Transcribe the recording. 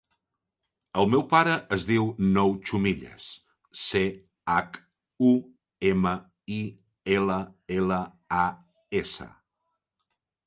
El meu pare es diu Nouh Chumillas: ce, hac, u, ema, i, ela, ela, a, essa.